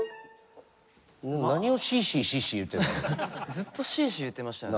ずっとシーシー言ってましたよね。